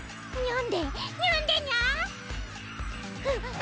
ん？